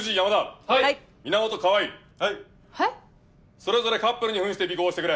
それぞれカップルに扮して尾行をしてくれ。